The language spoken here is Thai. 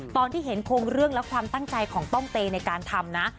ตอนที่เห็นโครงเรื่องและความตั้งใจของต้องเตในการทำนะ